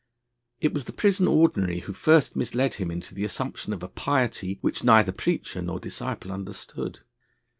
It was the Prison Ordinary, who first misled him into the assumption of a piety which neither preacher nor disciple understood.